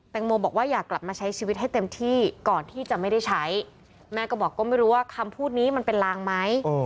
โมบอกว่าอยากกลับมาใช้ชีวิตให้เต็มที่ก่อนที่จะไม่ได้ใช้แม่ก็บอกก็ไม่รู้ว่าคำพูดนี้มันเป็นลางไหม